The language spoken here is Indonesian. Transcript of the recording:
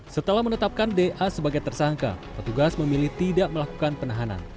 setelah menetapkan da sebagai tersangka petugas memilih tidak melakukan penahanan